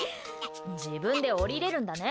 自分で下りれるんだね。